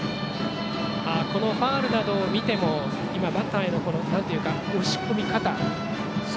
ファウルなどを見てもバッターへの押し込み方が。